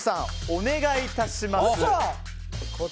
お願いいたします。